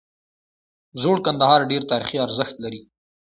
زوړ کندهار ډیر تاریخي ارزښت لري